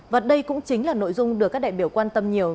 và đây cũng chính là nội dung được các đại biểu quan tâm nhiều